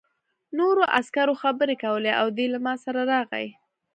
نورو عسکرو خبرې کولې او دی له ما سره راغی